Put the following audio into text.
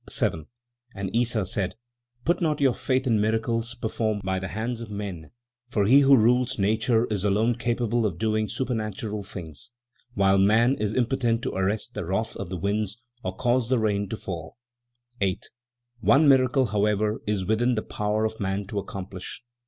7. And Issa said: "Put not your faith in miracles performed by the hands of men, for He who rules nature is alone capable of doing supernatural things, while man is impotent to arrest the wrath of the winds or cause the rain to fall. 8. "One miracle, however, is within the power of man to accomplish.